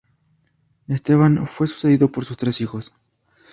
Esteban fue sucedido por sus tres hijos.